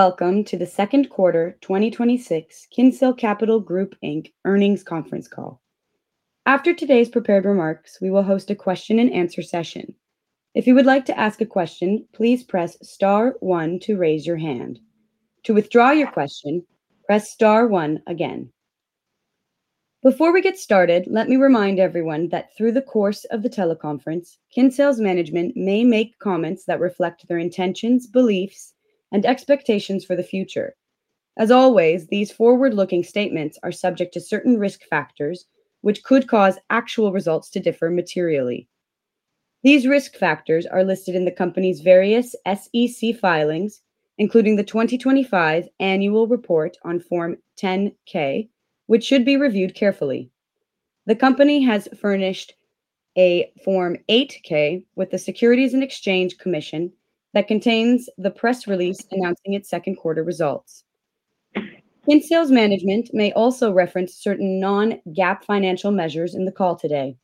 Welcome to the second quarter 2026 Kinsale Capital Group, Inc. earnings conference call. After today's prepared remarks, we will host a question and answer session. If you would like to ask a question, please press star one to raise your hand. To withdraw your question, press star one again. Before we get started, let me remind everyone that through the course of the teleconference, Kinsale's management may make comments that reflect their intentions, beliefs, and expectations for the future. As always, these forward-looking statements are subject to certain risk factors, which could cause actual results to differ materially. These risk factors are listed in the company's various SEC filings, including the 2025 annual report on Form 10-K, which should be reviewed carefully. The company has furnished a Form 8-K with the Securities and Exchange Commission that contains the press release announcing its second quarter results. Kinsale's management may also reference certain non-GAAP financial measures in the call today.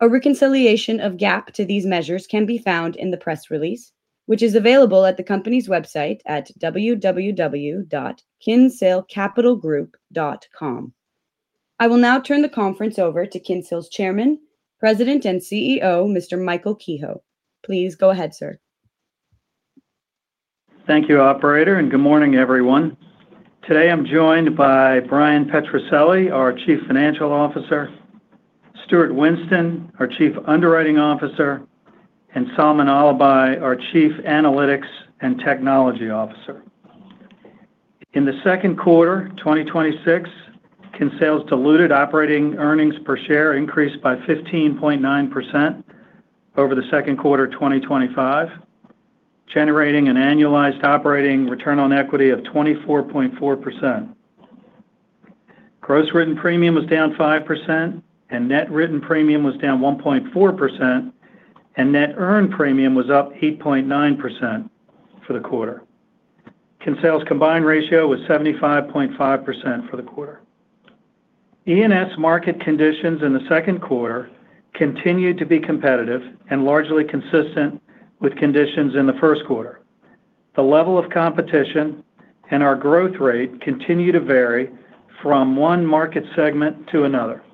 A reconciliation of GAAP to these measures can be found in the press release, which is available at the company's website at www.kinsalecapitalgroup.com. I will now turn the conference over to Kinsale's Chairman, President, and CEO, Mr. Michael Kehoe. Please go ahead, sir. Thank you, operator, and good morning, everyone. Today I'm joined by Bryan Petrucelli, our Chief Financial Officer, Stuart Winston, our Chief Underwriting Officer, and Salmaan Allibhai, our Chief Analytics and Technology Officer. In the second quarter 2026, Kinsale's diluted operating earnings per share increased by 15.9% over the second quarter 2025, generating an annualized operating return on equity of 24.4%. Gross written premium was down 5%, and net written premium was down 1.4%, and net earned premium was up 8.9% for the quarter. Kinsale's combined ratio was 75.5% for the quarter. E&S market conditions in the second quarter continued to be competitive and largely consistent with conditions in the first quarter. The level of competition and our growth rate continue to vary from one market segment to another.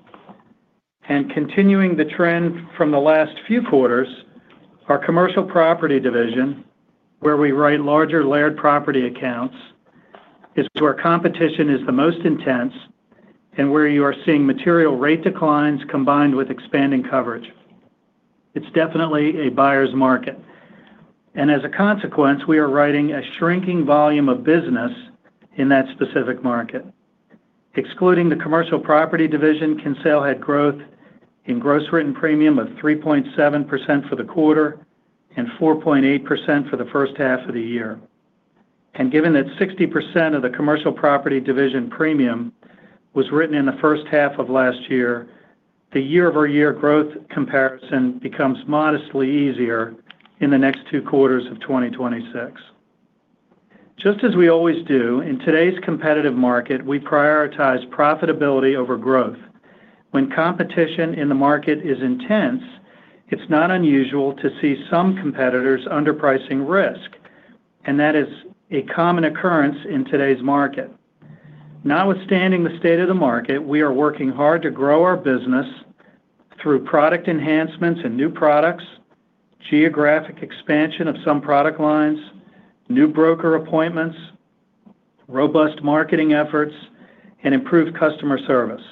Continuing the trend from the last few quarters, our Commercial Property Division, where we write larger layered property accounts, is where competition is the most intense and where you are seeing material rate declines combined with expanding coverage. It's definitely a buyer's market, and as a consequence, we are writing a shrinking volume of business in that specific market. Excluding the Commercial Property Division, Kinsale had growth in gross written premium of 3.7% for the quarter and 4.8% for the first half of the year. Given that 60% of the Commercial Property Division premium was written in the first half of last year, the year-over-year growth comparison becomes modestly easier in the next two quarters of 2026. Just as we always do, in today's competitive market, we prioritize profitability over growth. When competition in the market is intense, it's not unusual to see some competitors underpricing risk, and that is a common occurrence in today's market. Notwithstanding the state of the market, we are working hard to grow our business through product enhancements and new products, geographic expansion of some product lines, new broker appointments, robust marketing efforts, and improved customer service.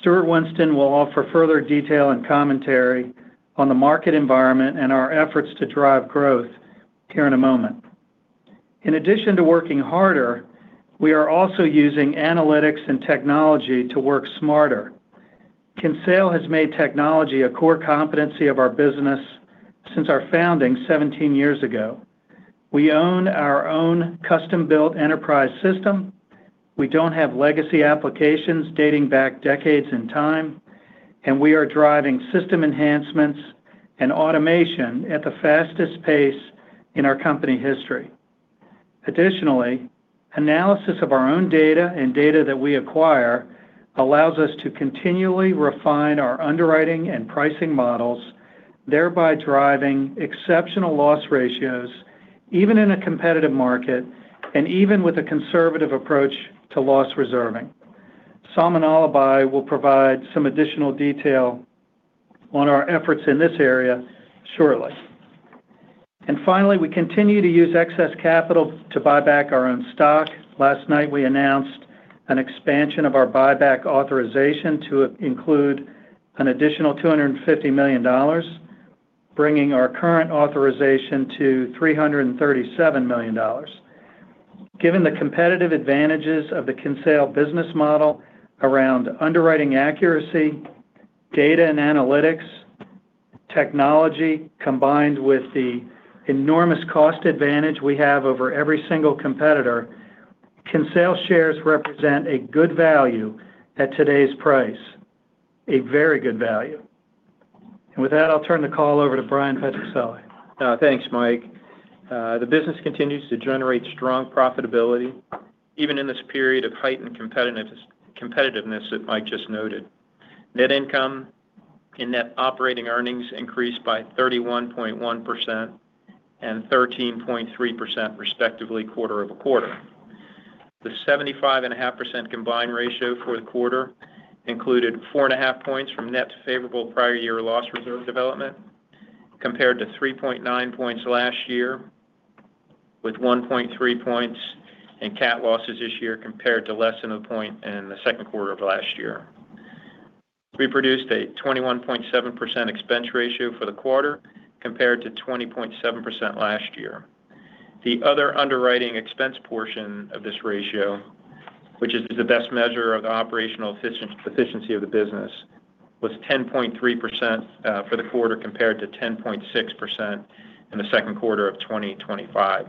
Stuart Winston will offer further detail and commentary on the market environment and our efforts to drive growth here in a moment. In addition to working harder, we are also using analytics and technology to work smarter. Kinsale has made technology a core competency of our business since our founding 17 years ago. We own our own custom-built enterprise system. We don't have legacy applications dating back decades in time, and we are driving system enhancements and automation at the fastest pace in our company history. Additionally, analysis of our own data and data that we acquire allows us to continually refine our underwriting and pricing models, thereby driving exceptional loss ratios even in a competitive market and even with a conservative approach to loss reserving. Salmaan Allibhai will provide some additional detail on our efforts in this area shortly. Finally, we continue to use excess capital to buy back our own stock. Last night, we announced an expansion of our buyback authorization to include an additional $250 million, bringing our current authorization to $337 million. Given the competitive advantages of the Kinsale business model around underwriting accuracy, data and analytics, technology, combined with the enormous cost advantage we have over every single competitor, Kinsale shares represent a good value at today's price. A very good value. With that, I'll turn the call over to Bryan Petrucelli. Thanks, Mike. The business continues to generate strong profitability even in this period of heightened competitiveness that Mike just noted. Net income and net operating earnings increased by 31.1% and 13.3%, respectively, quarter-over-quarter. The 75.5% combined ratio for the quarter included four and a half points from net favorable prior year loss reserve development, compared to 3.9 points last year, with 1.3 points in cat losses this year compared to less than a point in the second quarter of last year. We produced a 21.7% expense ratio for the quarter, compared to 20.7% last year. The other underwriting expense portion of this ratio, which is the best measure of the operational efficiency of the business, was 10.3% for the quarter compared to 10.6% in the second quarter of 2025.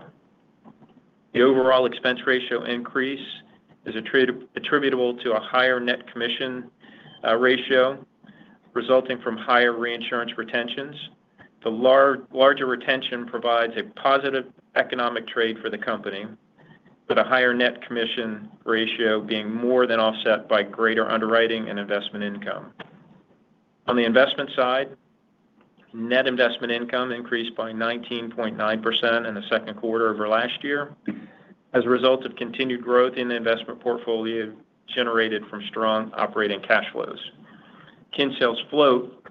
The overall expense ratio increase is attributable to a higher net commission ratio resulting from higher reinsurance retentions. The larger retention provides a positive economic trade for the company, with a higher net commission ratio being more than offset by greater underwriting and investment income. On the investment side, net investment income increased by 19.9% in the second quarter over last year as a result of continued growth in the investment portfolio generated from strong operating cash flows. Kinsale's float,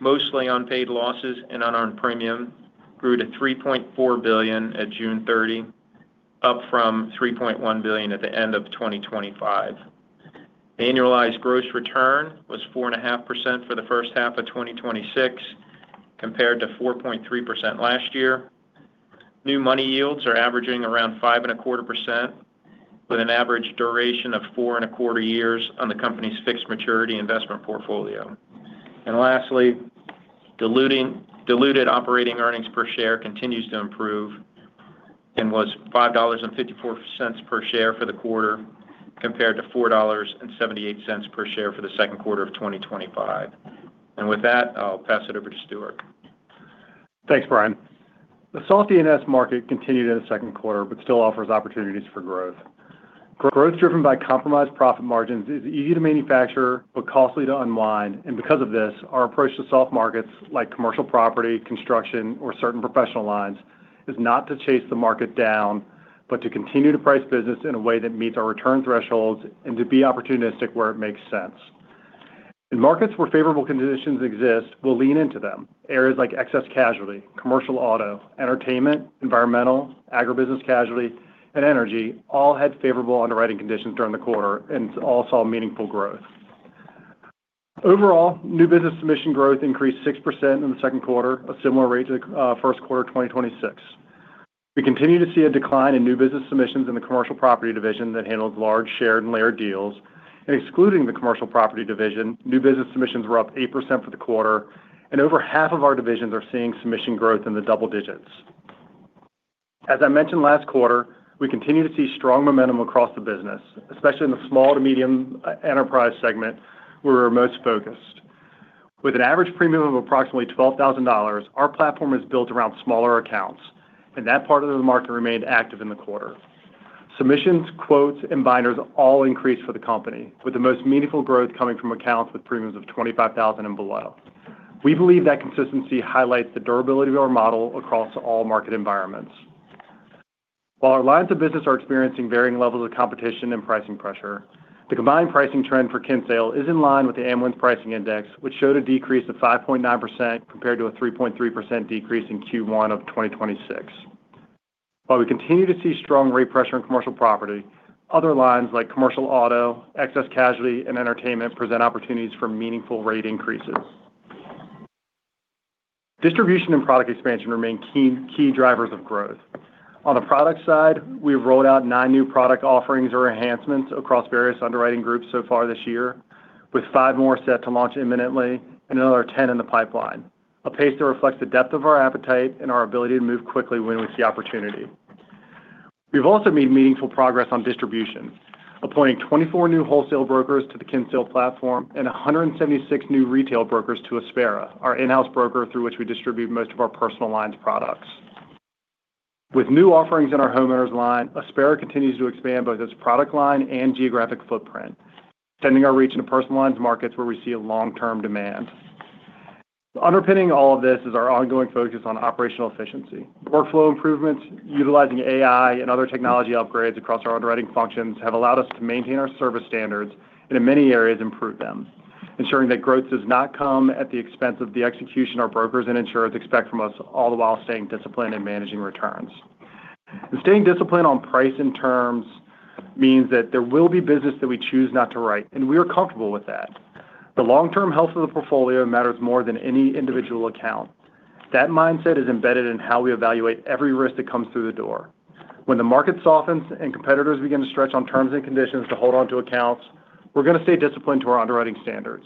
mostly unpaid losses and unearned premium, grew to $3.4 billion at June 30, up from $3.1 billion at the end of 2025. Annualized gross return was 4.5% for the first half of 2026, compared to 4.3% last year. New money yields are averaging around 5.25%, with an average duration of four and a quarter years on the company's fixed maturity investment portfolio. Lastly, diluted operating earnings per share continues to improve and was $5.54 per share for the quarter, compared to $4.78 per share for the second quarter of 2025. With that, I'll pass it over to Stuart. Thanks, Bryan. The soft E&S market continued in the second quarter, but still offers opportunities for growth. Growth driven by compromised profit margins is easy to manufacture but costly to unwind. Because of this, our approach to soft markets like Commercial Property, Construction, or certain Professional Lines, is not to chase the market down, but to continue to price business in a way that meets our return thresholds and to be opportunistic where it makes sense. In markets where favorable conditions exist, we'll lean into them. Areas like excess casualty, commercial auto, Entertainment, Environmental, Agribusiness Casualty, and Energy all had favorable underwriting conditions during the quarter and all saw meaningful growth. Overall, new business submission growth increased 6% in the second quarter, a similar rate to the first quarter of 2026. We continue to see a decline in new business submissions in the Commercial Property Division that handled large shared and layered deals. Excluding the Commercial Property Division, new business submissions were up 8% for the quarter, and over half of our divisions are seeing submission growth in the double digits. As I mentioned last quarter, we continue to see strong momentum across the business, especially in the small to medium enterprise segment where we're most focused. With an average premium of approximately $12,000, our platform is built around smaller accounts, and that part of the market remained active in the quarter. Submissions, quotes, and binders all increased for the company, with the most meaningful growth coming from accounts with premiums of $25,000 and below. We believe that consistency highlights the durability of our model across all market environments. While our lines of business are experiencing varying levels of competition and pricing pressure, the combined pricing trend for Kinsale is in line with the MS Amlin's pricing index, which showed a decrease of 5.9% compared to a 3.3% decrease in Q1 of 2026. While we continue to see strong rate pressure in Commercial Property, other lines like commercial auto, excess casualty, and Entertainment present opportunities for meaningful rate increases. Distribution and product expansion remain key drivers of growth. On the product side, we have rolled out nine new product offerings or enhancements across various underwriting groups so far this year, with five more set to launch imminently and another 10 in the pipeline, a pace that reflects the depth of our appetite and our ability to move quickly when we see opportunity. We've also made meaningful progress on distribution, appointing 24 new wholesale brokers to the Kinsale platform and 176 new retail brokers to Aspera, our in-house broker through which we distribute most of our personal lines products. With new offerings in our homeowners line, Aspera continues to expand both its product line and geographic footprint, extending our reach into personal lines markets where we see a long-term demand. Underpinning all of this is our ongoing focus on operational efficiency. Workflow improvements, utilizing AI and other technology upgrades across our underwriting functions have allowed us to maintain our service standards and in many areas, improve them, ensuring that growth does not come at the expense of the execution our brokers and insurers expect from us, all the while staying disciplined and managing returns. Staying disciplined on price and terms means that there will be business that we choose not to write, and we are comfortable with that. The long-term health of the portfolio matters more than any individual account. That mindset is embedded in how we evaluate every risk that comes through the door. When the market softens and competitors begin to stretch on terms and conditions to hold onto accounts, we're going to stay disciplined to our underwriting standards.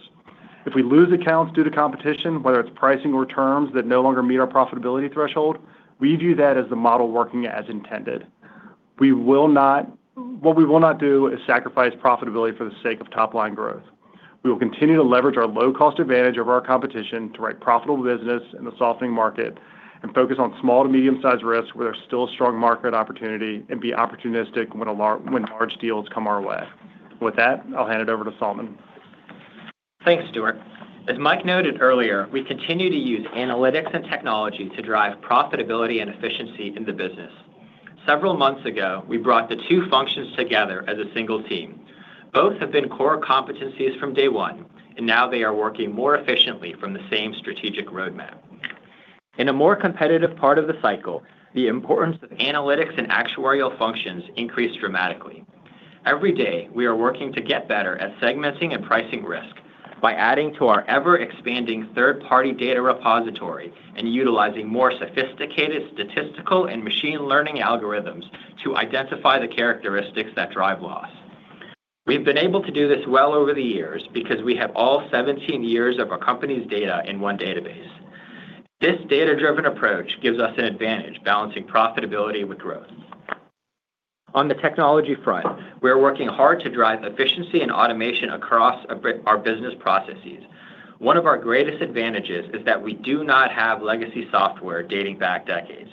If we lose accounts due to competition, whether it's pricing or terms that no longer meet our profitability threshold, we view that as the model working as intended. What we will not do is sacrifice profitability for the sake of top-line growth. We will continue to leverage our low-cost advantage over our competition to write profitable business in the softening market and focus on small to medium-sized risks where there's still a strong market opportunity and be opportunistic when large deals come our way. With that, I'll hand it over to Salmaan. Thanks, Stuart. As Mike noted earlier, we continue to use analytics and technology to drive profitability and efficiency in the business. Several months ago, we brought the two functions together as a single team. Both have been core competencies from day one. Now they are working more efficiently from the same strategic roadmap. In a more competitive part of the cycle, the importance of analytics and actuarial functions increase dramatically. Every day, we are working to get better at segmenting and pricing risk by adding to our ever-expanding third-party data repository and utilizing more sophisticated statistical and machine learning algorithms to identify the characteristics that drive loss. We've been able to do this well over the years because we have all 17 years of our company's data in one database. This data-driven approach gives us an advantage balancing profitability with growth. On the technology front, we are working hard to drive efficiency and automation across our business processes. One of our greatest advantages is that we do not have legacy software dating back decades.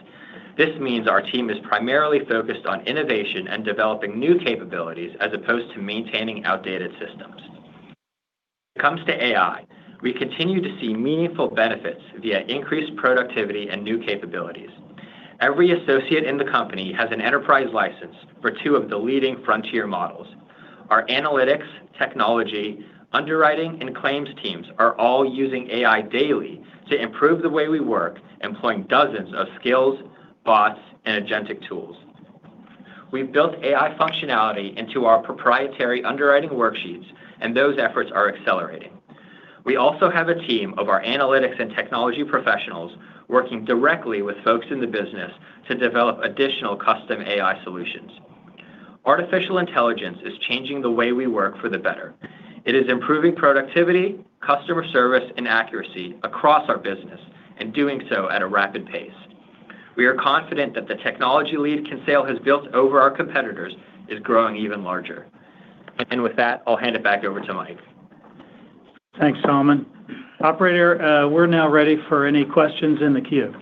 This means our team is primarily focused on innovation and developing new capabilities as opposed to maintaining outdated systems. When it comes to AI, we continue to see meaningful benefits via increased productivity and new capabilities. Every associate in the company has an enterprise license for two of the leading frontier models. Our analytics, technology, underwriting, and claims teams are all using AI daily to improve the way we work, employing dozens of skills, bots, and agentic tools. We've built AI functionality into our proprietary underwriting worksheets, and those efforts are accelerating. We also have a team of our analytics and technology professionals working directly with folks in the business to develop additional custom AI solutions. Artificial intelligence is changing the way we work for the better. It is improving productivity, customer service, and accuracy across our business, and doing so at a rapid pace. We are confident that the technology lead Kinsale has built over our competitors is growing even larger. With that, I'll hand it back over to Mike. Thanks, Salmaan. Operator, we're now ready for any questions in the queue.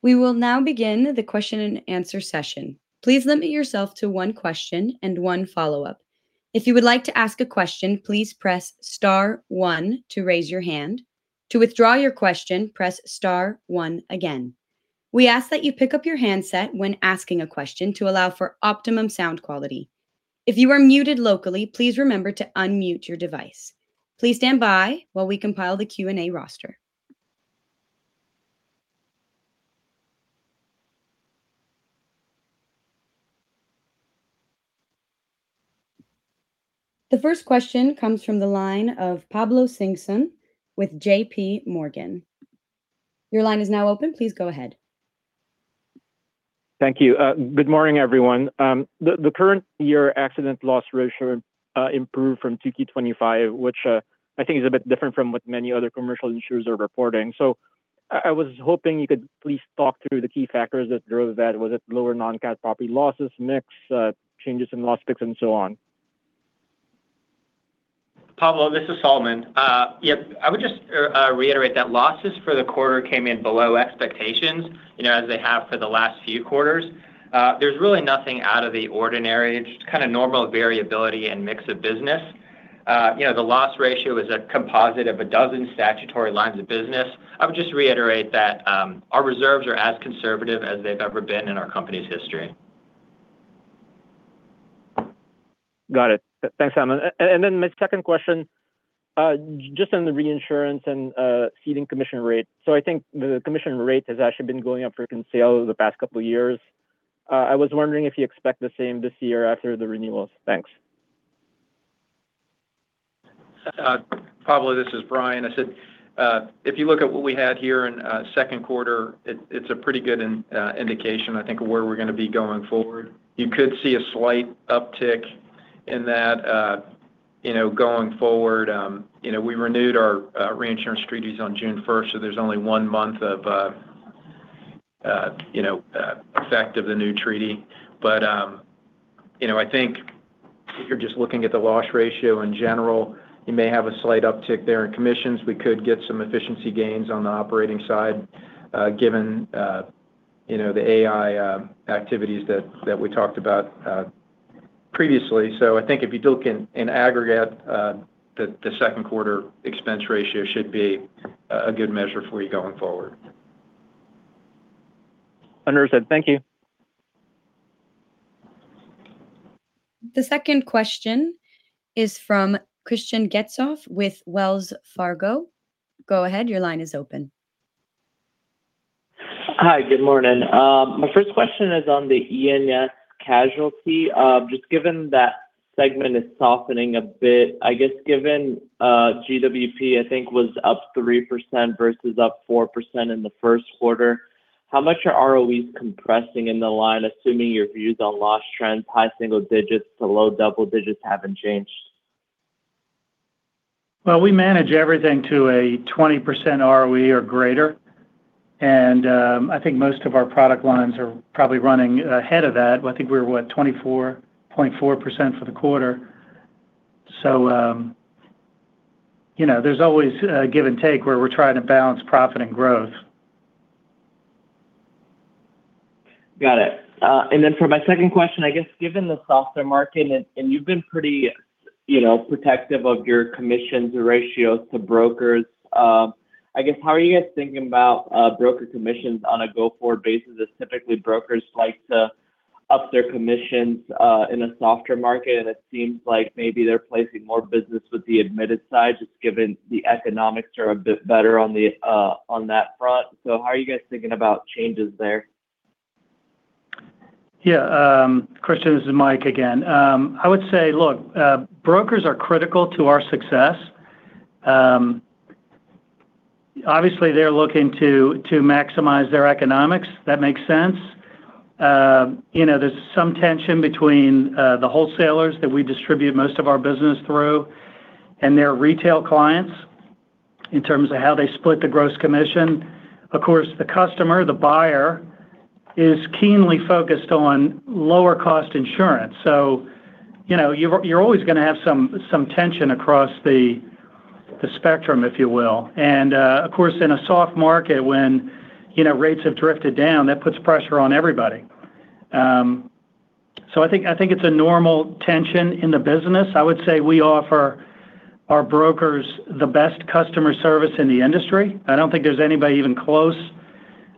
We will now begin the question and answer session. Please limit yourself to one question and one follow-up. If you would like to ask a question, please press star one to raise your hand. To withdraw your question, press star one again. We ask that you pick up your handset when asking a question to allow for optimum sound quality. If you are muted locally, please remember to unmute your device. Please stand by while we compile the Q&A roster. The first question comes from the line of Pablo Singzon with JPMorgan. Your line is now open. Please go ahead. Thank you. Good morning, everyone. The current year accident year loss ratio improved from 2Q 2025, which I think is a bit different from what many other commercial insurers are reporting. I was hoping you could please talk through the key factors that drove that. Was it lower non-cat property losses mix, changes in loss picks and so on? Pablo, this is Salmaan. Yep. I would just reiterate that losses for the quarter came in below expectations, as they have for the last few quarters. There's really nothing out of the ordinary. It's just kind of normal variability and mix of business. The loss ratio is a composite of a dozen statutory lines of business. I would just reiterate that our reserves are as conservative as they've ever been in our company's history. Got it. Thanks, Salmaan. My second question, just on the reinsurance and ceding commission rate. I think the commission rate has actually been going up for Kinsale over the past couple of years. I was wondering if you expect the same this year after the renewals. Thanks. Pablo, this is Bryan. I said if you look at what we had here in second quarter, it's a pretty good indication, I think, of where we're going to be going forward. You could see a slight uptick in that going forward. We renewed our reinsurance treaties on June 1st, so there's only one month of effect of the new treaty. I think if you're just looking at the loss ratio in general, you may have a slight uptick there in commissions. We could get some efficiency gains on the operating side, given the AI activities that we talked about previously. I think if you look in aggregate, the second quarter expense ratio should be a good measure for you going forward. Understood. Thank you. The second question is from Hristian Getsov with Wells Fargo. Go ahead, your line is open. Hi. Good morning. My first question is on the E&S casualty. Just given that segment is softening a bit, I guess given GWP, I think was up 3% versus up 4% in the first quarter, how much are ROEs compressing in the line, assuming your views on loss trends, high single digits to low double digits haven't changed? Well, we manage everything to a 20% ROE or greater. I think most of our product lines are probably running ahead of that. I think we were, what, 24.4% for the quarter. There's always a give and take where we're trying to balance profit and growth. Got it. For my second question, I guess given the softer market, you've been pretty protective of your commissions or ratios to brokers, I guess how are you guys thinking about broker commissions on a go-forward basis? Typically brokers like to up their commissions in a softer market, and it seems like maybe they're placing more business with the admitted side, just given the economics are a bit better on that front. How are you guys thinking about changes there? Yeah. Hristian, this is Mike again. I would say, look, brokers are critical to our success. Obviously, they're looking to maximize their economics. That makes sense. There's some tension between the wholesalers that we distribute most of our business through and their retail clients in terms of how they split the gross commission. Of course, the customer, the buyer, is keenly focused on lower cost insurance. You're always going to have some tension across the spectrum, if you will. Of course, in a soft market when rates have drifted down, that puts pressure on everybody. I think it's a normal tension in the business. I would say we offer our brokers the best customer service in the industry. I don't think there's anybody even close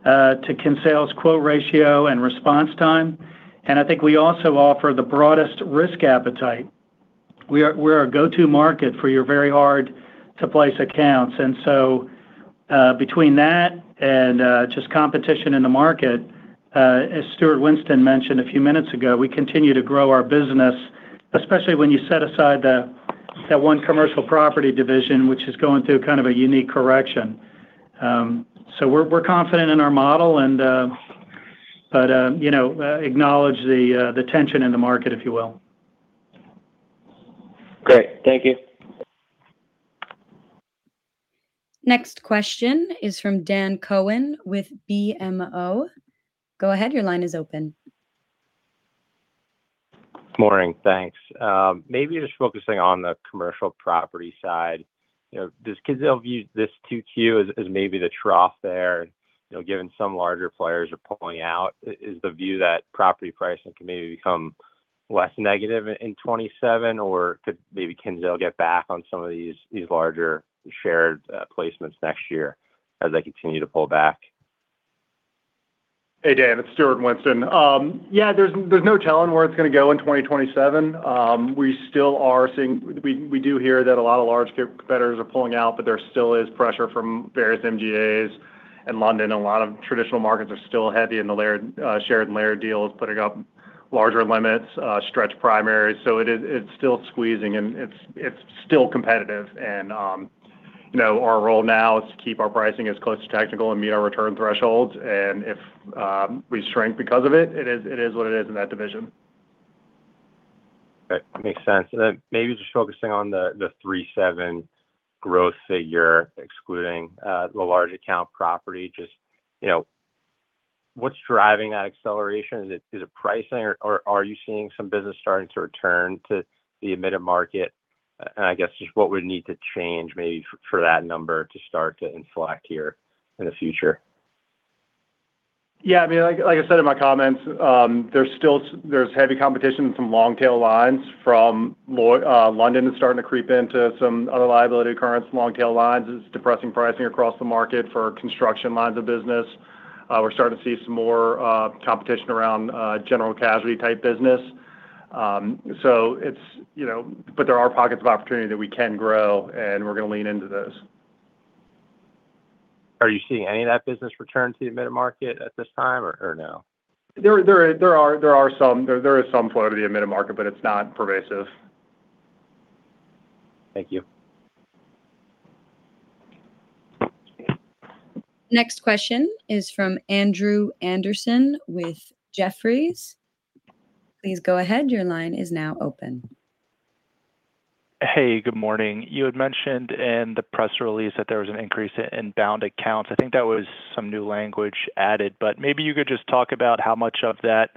to Kinsale's quote ratio and response time. I think we also offer the broadest risk appetite. We're a go-to market for your very hard-to-place accounts. Between that and just competition in the market, as Stuart Winston mentioned a few minutes ago, we continue to grow our business, especially when you set aside that one Commercial Property Division, which is going through kind of a unique correction. We're confident in our model and but acknowledge the tension in the market, if you will. Great. Thank you. Next question is from Dan Cohen with BMO. Go ahead, your line is open. Morning. Thanks. Maybe just focusing on the commercial property side. Does Kinsale view this 2Q as maybe the trough there, given some larger players are pulling out? Is the view that property pricing can maybe become less negative in 2027, or could maybe Kinsale get back on some of these larger shared placements next year as they continue to pull back? Hey, Dan, it's Stuart Winston. Yeah, there's no telling where it's going to go in 2027. There still is pressure from various MGAs in London. A lot of traditional markets are still heavy in the shared layered deals, putting up larger limits, stretch primaries. It's still squeezing and it's still competitive. Our role now is to keep our pricing as close to tactical and meet our return thresholds, and if we shrink because of it is what it is in that division. That makes sense. Then maybe just focusing on the 37 growth figure, excluding the large account property. Just what's driving that acceleration? Is it pricing or are you seeing some business starting to return to the admitted market? I guess just what would need to change maybe for that number to start to inflect here in the future? Yeah, like I said in my comments, there's heavy competition in some long-tail lines from London that's starting to creep into some other liability occurrence and long-tail lines. It's depressing pricing across the market for Construction lines of business. We're starting to see some more competition around general casualty type business. There are pockets of opportunity that we can grow, and we're going to lean into those. Are you seeing any of that business return to the admitted market at this time, or no? There are some. There is some flow to the admitted market, but it's not pervasive. Thank you. Next question is from Andrew Andersen with Jefferies. Please go ahead. Your line is now open. Hey, good morning. You had mentioned in the press release that there was an increase in inbound accounts. I think that was some new language added, but maybe you could just talk about how much of that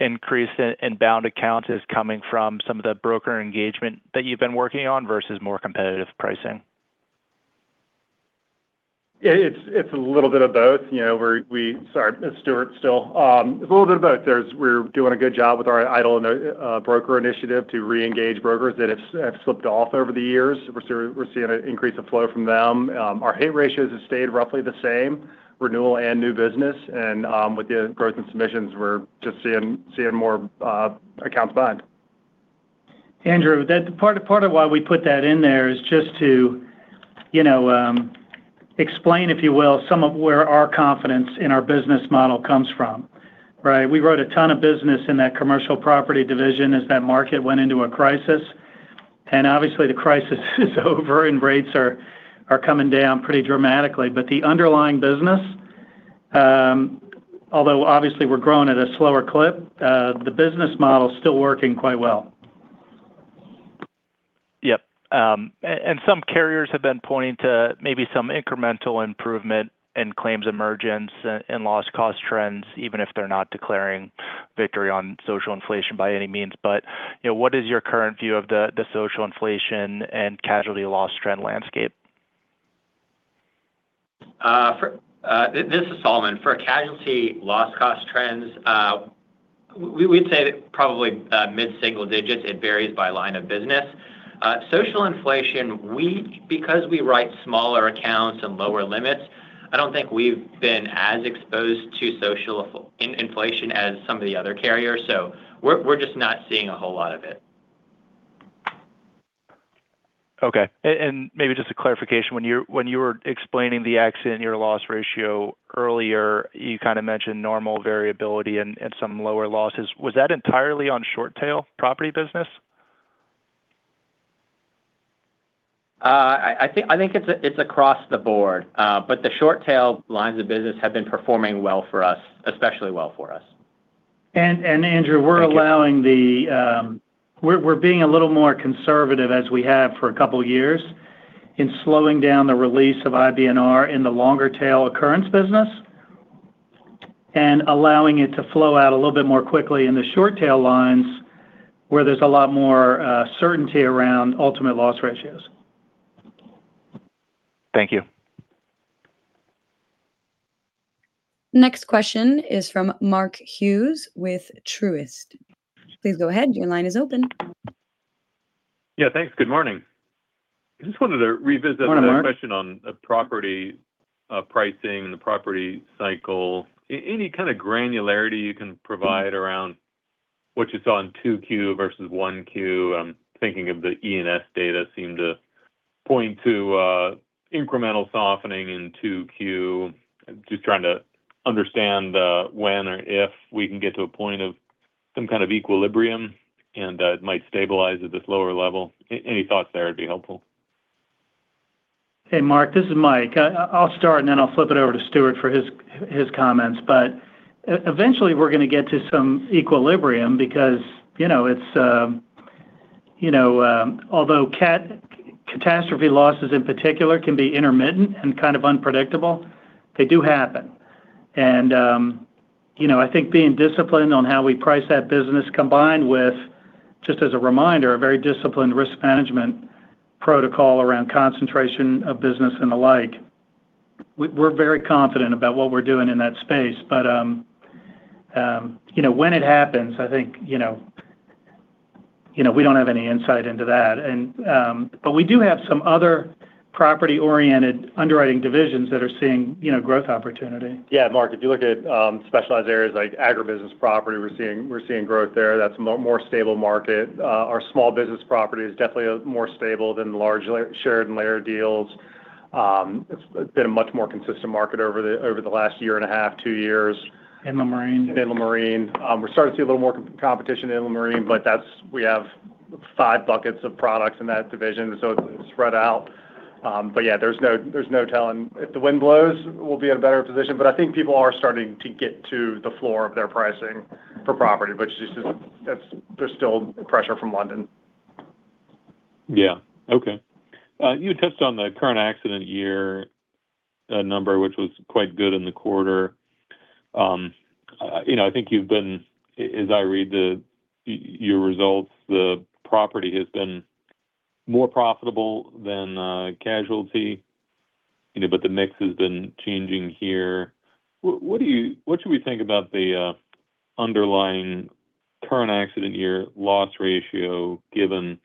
increase in inbound accounts is coming from some of the broker engagement that you've been working on versus more competitive pricing. Yeah, it's a little bit of both. Sorry, it's Stuart still. It's a little bit of both. We're doing a good job with our idle broker initiative to reengage brokers that have slipped off over the years. We're seeing an increase of flow from them. Our hit ratios have stayed roughly the same, renewal and new business. With the growth in submissions, we're just seeing more accounts bind. Andrew, part of why we put that in there is just to explain, if you will, some of where our confidence in our business model comes from, right? We wrote a ton of business in that Commercial Property Division as that market went into a crisis. Obviously, the crisis is over and rates are coming down pretty dramatically. The underlying business, although obviously we're growing at a slower clip, the business model's still working quite well. Yep. Some carriers have been pointing to maybe some incremental improvement in claims emergence and loss cost trends, even if they're not declaring victory on social inflation by any means, what is your current view of the social inflation and casualty loss trend landscape? This is Salmaan. For a casualty loss cost trends, we'd say that probably mid-single digits, it varies by line of business. Social inflation, because we write smaller accounts and lower limits, I don't think we've been as exposed to social inflation as some of the other carriers. We're just not seeing a whole lot of it. Okay. Maybe just a clarification, when you were explaining the accident year loss ratio earlier, you kind of mentioned normal variability and some lower losses. Was that entirely on short tail property business? I think it's across the board, the short tail lines of business have been performing well for us, especially well for us. Andrew, we're being a little more conservative as we have for a couple of years in slowing down the release of IBNR in the longer tail occurrence business, and allowing it to flow out a little bit more quickly in the short tail lines where there's a lot more certainty around ultimate loss ratios. Thank you. Next question is from Mark Hughes with Truist. Please go ahead, your line is open. Yeah. Thanks. Good morning. I just wanted to revisit. Morning, Mark My question on the property pricing, the property cycle. Any kind of granularity you can provide around what you saw in Q2 versus Q1? I'm thinking of the E&S data seemed to point to incremental softening in Q2. Trying to understand when or if we can get to a point of some kind of equilibrium, and that it might stabilize at this lower level. Any thoughts there would be helpful. Hey, Mark, this is Mike. I'll start, then I'll flip it over to Stuart for his comments. Eventually we're going to get to some equilibrium because although catastrophe losses in particular can be intermittent and kind of unpredictable, they do happen. I think being disciplined on how we price that business combined with, just as a reminder, a very disciplined risk management protocol around concentration of business and the like. We're very confident about what we're doing in that space. When it happens, I think we don't have any insight into that. We do have some other property-oriented underwriting divisions that are seeing growth opportunity. Yeah, Mark, if you look at specialized areas like Agribusiness Property, we're seeing growth there, that's a more stable market. Our small business property is definitely more stable than the large shared and layered deals. It's been a much more consistent market over the last year and a half, two years. Inland Marine. Inland Marine. We're starting to see a little more competition in Inland Marine, we have five buckets of products in that division, so it's spread out. Yeah, there's no telling. If the wind blows, we'll be in a better position, but I think people are starting to get to the floor of their pricing for property, there's still pressure from London. Yeah. Okay. You touched on the current accident year number, which was quite good in the quarter. I think you've been, as I read your results, the property has been more profitable than casualty, the mix has been changing here. What should we think about the underlying current accident year loss ratio given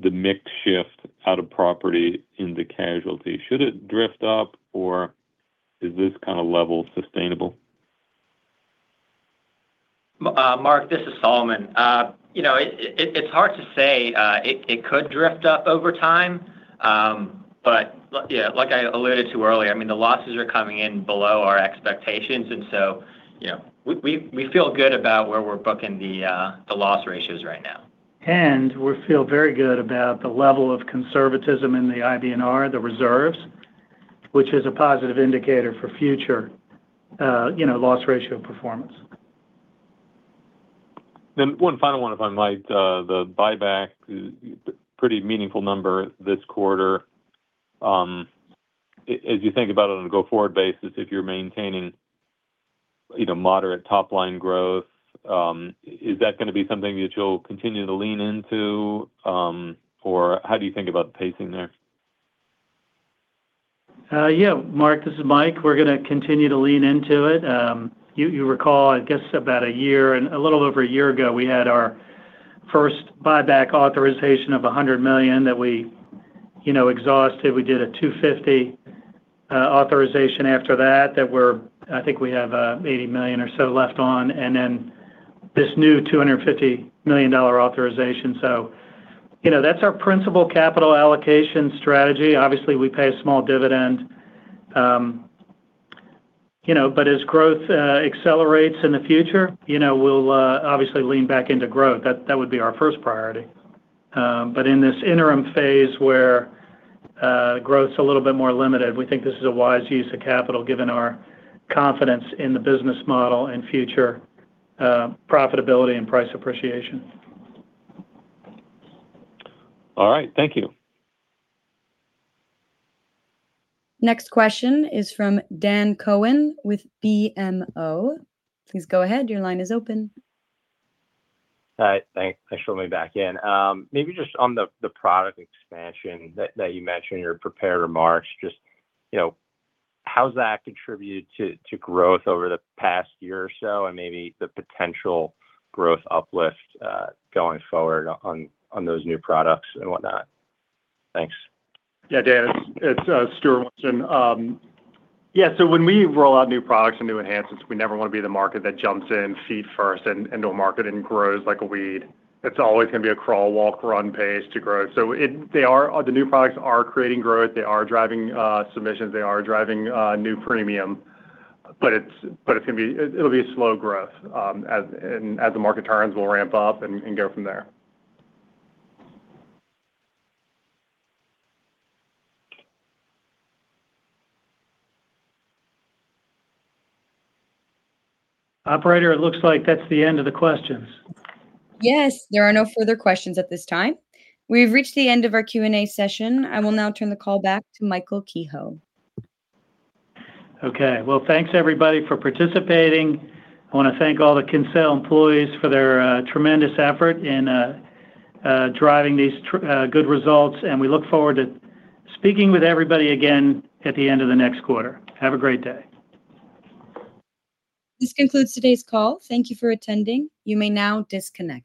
the mix shift out of property in the casualty? Should it drift up, or is this kind of level sustainable? Mark, this is Salmaan. It's hard to say. It could drift up over time. Like I alluded to earlier, the losses are coming in below our expectations. We feel good about where we're booking the loss ratios right now. We feel very good about the level of conservatism in the IBNR, the reserves, which is a positive indicator for future loss ratio performance. One final one, if I might. The buyback, pretty meaningful number this quarter. As you think about it on a go-forward basis, if you're maintaining moderate top-line growth, is that going to be something that you'll continue to lean into? How do you think about the pacing there? Yeah. Mark, this is Mike. We're going to continue to lean into it. You recall, I guess about a year, a little over a year ago, we had our first buyback authorization of $100 million that we exhausted. We did a $250 authorization after that. I think we have $80 million or so left on, then this new $250 million authorization. That's our principal capital allocation strategy. Obviously, we pay a small dividend. As growth accelerates in the future, we'll obviously lean back into growth. That would be our first priority. In this interim phase where growth's a little bit more limited, we think this is a wise use of capital given our confidence in the business model and future profitability and price appreciation. All right. Thank you. Next question is from Dan Cohen with BMO. Please go ahead, your line is open. All right. Thanks. Thanks for letting me back in. Maybe just on the product expansion that you mentioned in your prepared remarks, just how's that contributed to growth over the past year or so, and maybe the potential growth uplift going forward on those new products and whatnot? Thanks. Yeah, Dan, it's Stuart Winston. When we roll out new products and new enhancements, we never want to be the market that jumps in feet first into a market and grows like a weed. It's always going to be a crawl, walk, run pace to grow. The new products are creating growth, they are driving submissions, they are driving new premium. It'll be a slow growth. As the market turns, we'll ramp up and go from there. Operator, it looks like that's the end of the questions. Yes, there are no further questions at this time. We've reached the end of our Q&A session. I will now turn the call back to Michael Kehoe. Okay. Well, thanks everybody for participating. I want to thank all the Kinsale employees for their tremendous effort in driving these good results. We look forward to speaking with everybody again at the end of the next quarter. Have a great day. This concludes today's call. Thank you for attending. You may now disconnect.